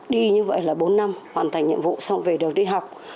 đi như vậy là bốn năm hoàn thành nhiệm vụ xong về đường đi học